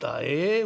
ええ？